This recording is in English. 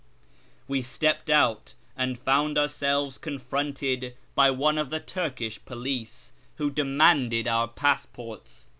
We stepped out, and found ourselves confronted by one of the Turkish police, who demanded our passports.